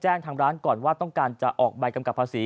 จำนวนนักท่องเที่ยวที่เดินทางมาพักผ่อนเพิ่มขึ้นในปีนี้